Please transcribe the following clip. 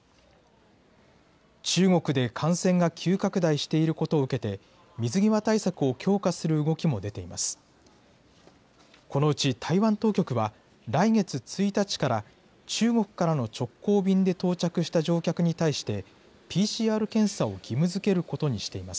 中国で感染が急拡大していることを受けて、水際対策を強化する動きも出ています。